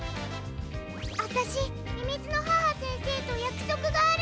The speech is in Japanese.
あたしみみずの母先生とやくそくがあるの。